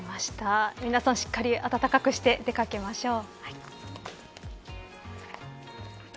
皆さん、しっかり暖かくして出掛けましょう。